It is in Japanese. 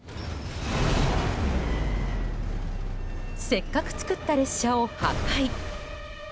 せっかく作った列車を破壊。